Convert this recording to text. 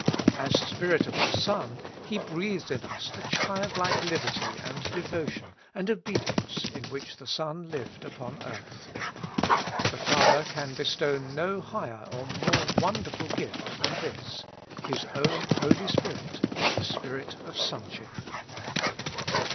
As Spirit of the Son, He breathes in us the childlike liberty, and devotion, and obedience in which the Son lived upon earth. The Father can bestow no higher or more wonderful gift than this : His own Holy Spirit, the Spirit of Son ship.